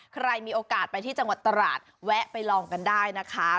ใครมีโอกาสไปที่จังหวัดตราดแวะไปลองกันได้นะคะ